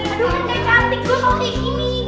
aduh kan gak cantik gue kalau kayak gini